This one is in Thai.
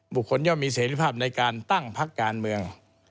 บุคคลย่อมีเสถียรภาพในการตั้งพักการเมือง